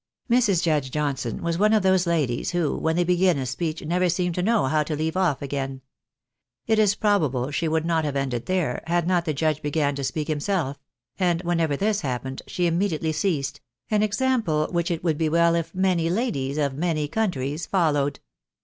Mrs. Judge Johnson was one of those ladies who, when they begin a speech, never seem to know how to leave off again. It is probable she would not have ended here, had not the Judge began to speak himself; and whenever this happened, she immediately ceased— an example which it would be well if many ladies, of many countries, followed.